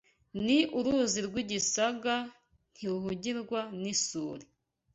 Ni uruzi rw’igisaga Ntiruhungirwa n’isuri